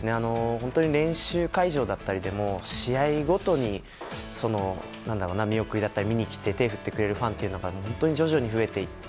本当に練習会場だったりで試合ごとに、見送りだったり見に来て手を振ってくれるファンの方が徐々に増えていって。